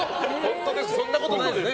そんなことないですよね？